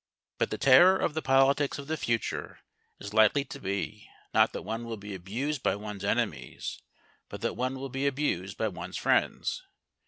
But the terror of the politics of the future is likely to be, not that one will be abused by one's enemies, but that one will be abused by one's friends.